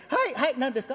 何ですか？